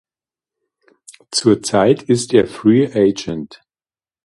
Zurzeit ist er Free Agent.